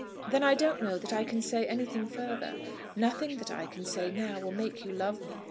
"Then I don't know that I can say anything further. Nothing that I can say now will make you love me.